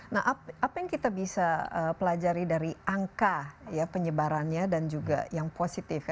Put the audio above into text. nah apa yang kita bisa pelajari dari angka ya penyebarannya dan juga yang positif